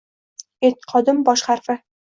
Eʼtiqodim bosh harfi.